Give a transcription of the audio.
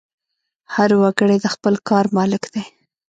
هر وګړی د خپل کار مالک دی.